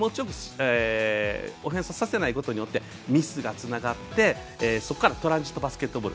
オフェンスさせないことによってミスがつながって、そこからトランジットバスケットボール。